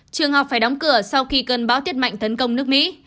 trường học phải đóng cửa sau khi cơn bão tuyết mạnh tấn công nước mỹ